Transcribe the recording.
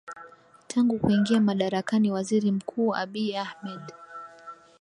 tangu kuingia madarakani Waziri Mkuu Abiy Ahmed